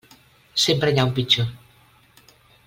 Sempre hi ha un pitjor.